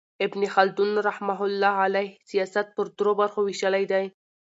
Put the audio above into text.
ابن خلدون رحمة الله علیه سیاست پر درو برخو ویشلی دئ.